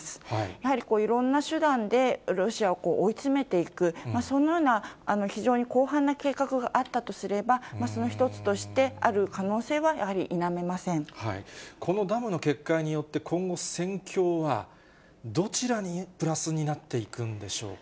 やはりいろんな手段で、ロシアを追い詰めていく、そのような非常に広範な計画があったとすれば、その一つとしてあこのダムの決壊によって、今後、戦況はどちらにプラスになっていくんでしょうか。